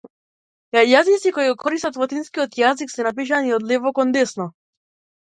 Јазици кои го користат латинскиот јазик се напишани од лево кон десно.